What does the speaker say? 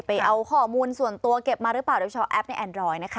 ไปเอาข้อมูลส่วนตัวเก็บมาหรือเปล่าโดยเฉพาะแอปในแอนดรอยนะคะ